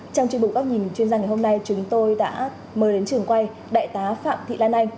trong chương trình bộ các nhìn chuyên gia ngày hôm nay chúng tôi đã mời đến trường quay đại tá phạm thị lan anh